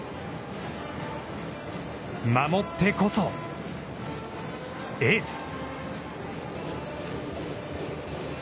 守ってこそ、エース。